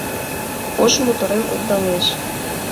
Ош моторем улдалеш